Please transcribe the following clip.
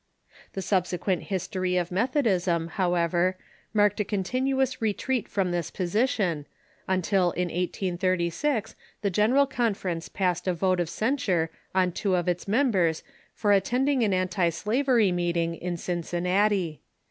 The subsequent history of Methodism, how ever, marked a continuous retreat from this position, until in 1836 the General Conference passed a vote of censure on two of its members for attending an antislavery meeting in Cincin nati.